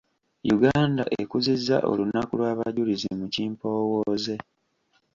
Uganda ekuzizza olunaku lw’Abajulizi mu kimpoowooze.